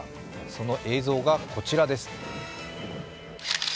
その映像が、こちらです。